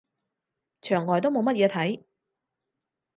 牆外都冇乜嘢睇